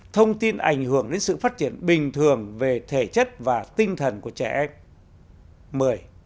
thông tin ảnh hưởng đến sự phát triển bình thường về thể chất và tinh thần của trẻ em